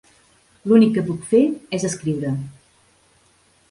L'únic que puc fer és escriure.